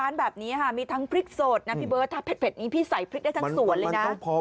ถ้าเผ็ดนี้พี่ใส่พริกได้ทั้งส่วนเลยน่ะ